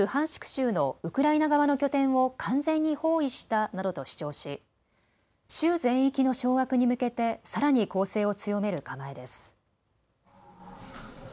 州のウクライナ側の拠点を完全に包囲したなどと主張し、州全域の掌握に向けてさらに攻勢を強める構えです。